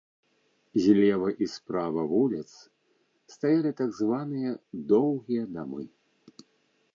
Злева і справа вуліц стаялі так званыя доўгія дамы.